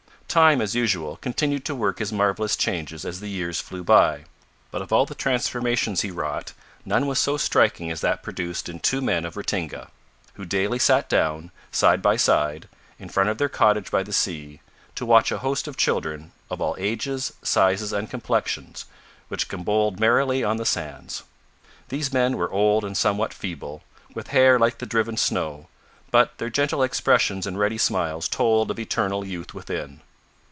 Time, as usual, continued to work his marvellous changes as the years flew by, but of all the transformations he wrought none was so striking as that produced in two men of Ratinga, who daily sat down, side by side, in front of their cottage by the sea, to watch a host of children of all ages, sizes, and complexions, which gambolled merrily on the sands. These men were old and somewhat feeble, with hair like the driven snow, but their gentle expressions and ready smiles told of eternal youth within.